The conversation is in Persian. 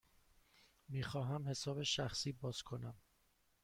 می خواهم حساب شخصی باز کنم.